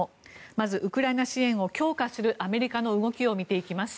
まずウクライナ支援を強化するアメリカの動きを見ていきます。